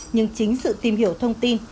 nhưng chính sự tìm hiểu thông tin